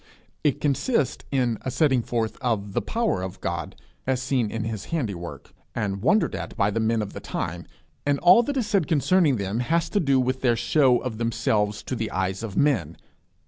It consists in a setting forth of the power of God, as seen in his handywork, and wondered at by the men of the time; and all that is said concerning them has to do with their show of themselves to the eyes of men.